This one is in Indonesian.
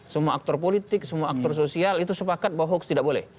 semua aktor politik semua aktor sosial itu sepakat bahwa hoax tidak boleh